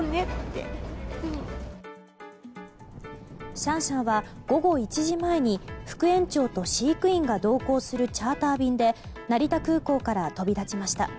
シャンシャンは午後１時前に副園長と飼育員が同行するチャーター便で成田空港から飛び立ちました。